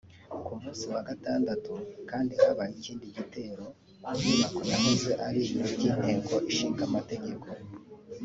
Ku musi wa gatandatu kandi habaye ikindi gitero ku nyubako yahoze ari ibiro by’inteko inshingamategeko